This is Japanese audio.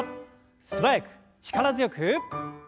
素早く力強く。